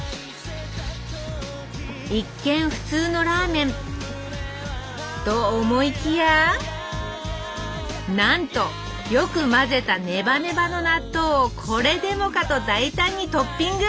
一見普通のラーメンと思いきやなんとよく混ぜたネバネバの納豆をこれでもかと大胆にトッピング！